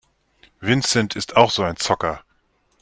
Vincent ist auch so ein Zocker.